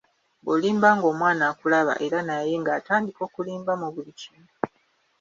Bwolimba ng'omwana akulaba era naye ng'atandika kulimba mu buli kimu.